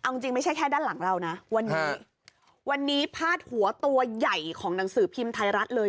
เอาจริงไม่ใช่แค่ด้านหลังเรานะวันนี้วันนี้พาดหัวตัวใหญ่ของหนังสือพิมพ์ไทยรัฐเลย